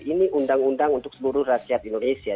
ini undang undang untuk seluruh rakyat indonesia